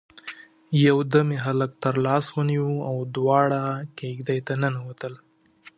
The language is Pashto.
يودم يې هلک تر لاس ونيو او دواړه کېږدۍ ته ننوتل.